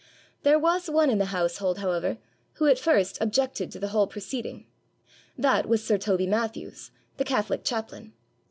There was one in the household, however, who at first objected to the whole proceeding. That was sir Toby Mathews, the catholic chaplain.